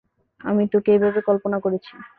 আমি তোকে এইভাবে কল্পনা করেছি।